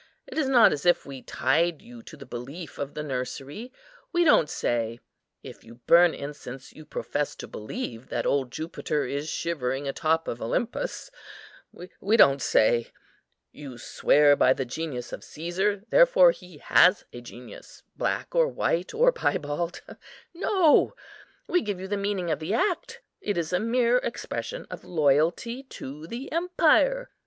It is not as if we tied you to the belief of the nursery: we don't say, 'If you burn incense, you profess to believe that old Jupiter is shivering atop of Olympus;' we don't say, 'You swear by the genius of Cæsar, therefore he has a genius, black, or white, or piebald,' No, we give you the meaning of the act; it is a mere expression of loyalty to the empire.